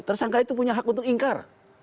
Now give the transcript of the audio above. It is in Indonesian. tersangka itu punya hak untuk ingkar